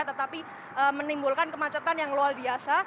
tetapi menimbulkan kemacetan yang luar biasa